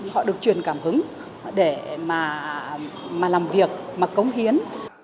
họ được truyền cảm hứng để mà làm việc mà cống hiến